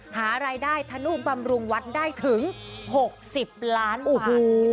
หารายได้ธนูปรำรุงวัดได้ถึง๖๐ล้านบาท